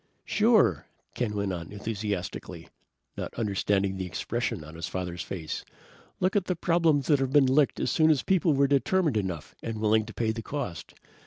"Sure!" Ken went on enthusiastically, not understanding the expression on his father's face. "Look at the problems that have been licked as soon as people were determined enough and willing to pay the cost.